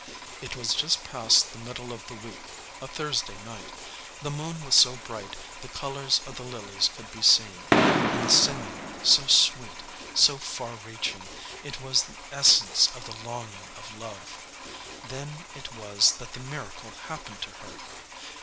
It was just past the middle of the week, a Thursday night. The moon was so bright the colors of the lilies could be seen, and the singing, so sweet, so far reaching it was the essence of the longing of love. Then it was that the miracle happened to her.